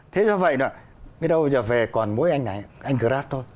thế do vậy biết đâu giờ về còn mỗi anh này anh grab thôi